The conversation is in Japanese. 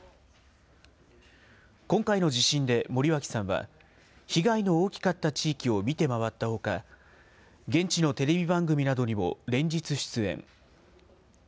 今回の地震で、森脇さんは、被害の大きかった地域を見て回ったほか、現地のテレビ番組などにも連日出演。